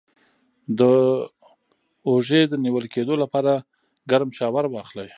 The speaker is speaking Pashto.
د اوږې د نیول کیدو لپاره ګرم شاور واخلئ